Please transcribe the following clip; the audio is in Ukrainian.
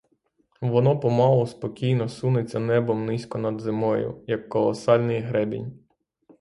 Воно помалу спокійно сунеться небом низько над землею, як колосальний гребінь.